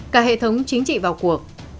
cả hệ thống chính trị vào cuộc